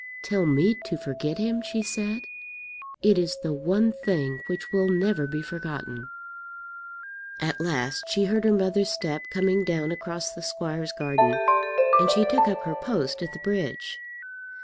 "Tell me to forget him!" she said. "It is the one thing which will never be forgotten." At last she heard her mother's step coming down across the squire's garden, and she took up her post at the bridge.